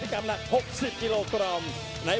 โปรดติดตามต่อไป